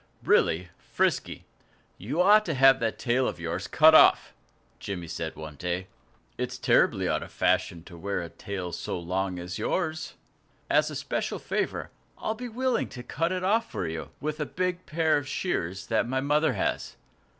"Really, Frisky, you ought to have that tail of yours cut off," Jimmy said one day. "It's terribly out of fashion to wear a tail so long as yours. As a special favor, I'll be willing to cut it off for you, with a big pair of shears that my mother has."